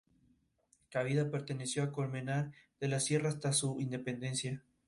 Cabida perteneció a Colmenar de la Sierra hasta su independencia.